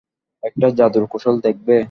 একটা জাদুর কৌশল দেখবে?